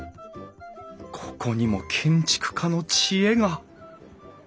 ここにも建築家の知恵が！